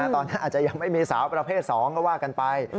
ตอนนั้นอาจจะยังไม่มีสาวประเภท๒ก็ว่ากันไป